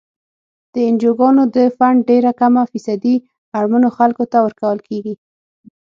د انجوګانو د فنډ ډیره کمه فیصدي اړمنو خلکو ته ورکول کیږي.